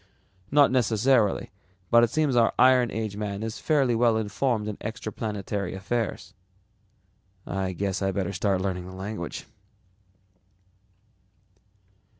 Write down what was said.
"Not necessarily, but it seems our iron age man is fairly well informed in extraplanetary affairs." "I guess I'd better start learning the language."